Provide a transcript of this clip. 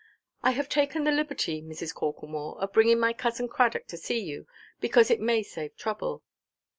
"I have taken the liberty, Mrs. Corklemore, of bringing my cousin Cradock to see you, because it may save trouble."